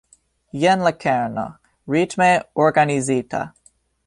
Jen la kerno: ritme organizita.